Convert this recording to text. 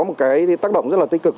một cái tác động rất là tích cực